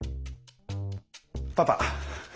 パパ！